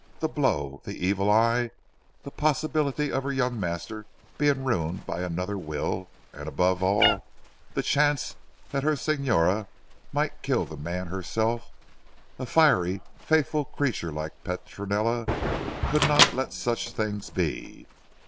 The blow, the evil eye, the possibility of her young master being ruined by another will, and above all, the chance that her Signora might kill the man herself a fiery faithful creature like Petronella could not let such things be.